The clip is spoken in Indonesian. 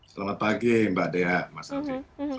selamat pagi mbak dea mas alvi